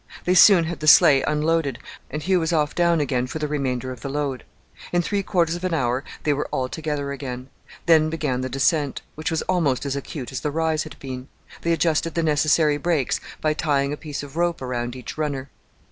They soon had the sleigh unloaded, and Hugh was off down again for the remainder of the load. In three quarters of an hour they were all together again. Then began the descent, which was almost as acute as the rise had been. They adjusted the necessary brakes by tying a piece of rope around each runner.